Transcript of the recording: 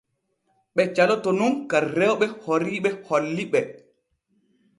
Ɓe caloto nun ka rewɓe oriiɓe holli ɓe.